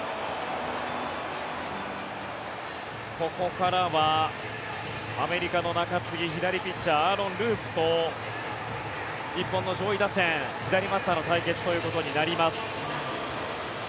ここからはアメリカの中継ぎ左ピッチャーアーロン・ループと日本の上位打線、左バッターの対決ということになります。